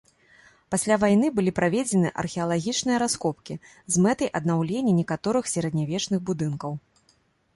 Пасля вайны былі праведзены археалагічныя раскопкі з мэтай аднаўлення некаторых сярэднявечных будынкаў.